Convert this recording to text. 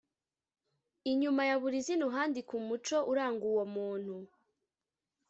Inyuma ya buri zina uhandike umuco uranga uwo muntu